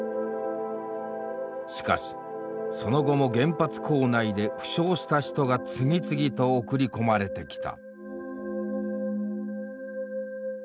しかしその後も原発構内で負傷した人が次々と送り込まれてきた。